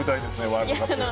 ワールドカップ。